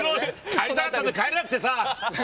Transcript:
帰りたかったけど帰れなくてさ！